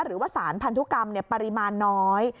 หรือว่าสารพันธุกรรมปริมาณน้อย